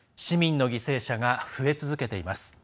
市民の犠牲者が増え続けています。